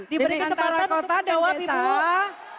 diberi kesempatan untuk menjawab ya